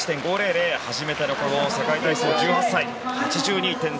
初めての世界体操、１８歳。８２．３６５